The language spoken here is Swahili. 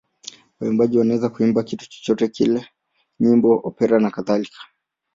Waimbaji wanaweza kuimba kitu chochote kile: nyimbo, opera nakadhalika.